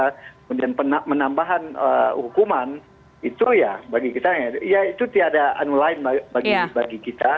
kemudian menambahan hukuman itu ya bagi kita ya itu tiada anu lain bagi kita